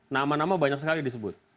nama nama banyak sekali disebut